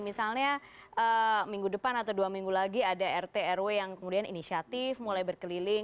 misalnya minggu depan atau dua minggu lagi ada rt rw yang kemudian inisiatif mulai berkeliling